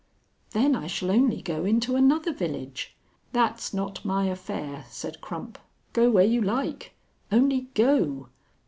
"Then I shall only go into another village." "That's not my affair," said Crump. "Go where you like. Only go.